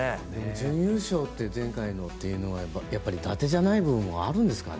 準優勝、前回のというのは伊達じゃない部分もあるんですかね。